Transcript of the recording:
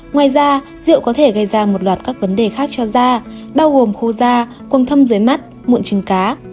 ngoài ra rượu có thể gây ra một loạt các vấn đề khác cho da bao gồm khô da cung thâm dưới mắt muộn trứng cá